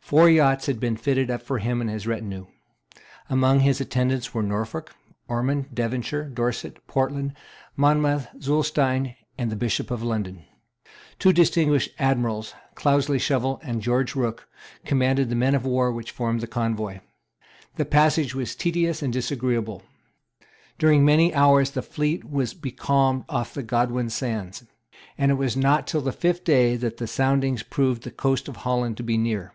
Four yachts had been fitted up for him and for his retinue. Among his attendants were Norfolk, Ormond, Devonshire, Dorset, Portland, Monmouth, Zulestein, and the Bishop of London. Two distinguished admirals, Cloudesley Shovel and George Rooke, commanded the men of war which formed the convoy. The passage was tedious and disagreeable. During many hours the fleet was becalmed off the Godwin Sands; and it was not till the fifth day that the soundings proved the coast of Holland to be near.